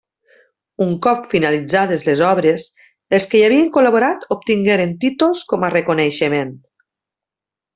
Un cop finalitzades les obres Els que hi havien col·laborat obtingueren títols com a reconeixement.